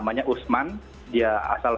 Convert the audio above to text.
harisnya untuk melihatbu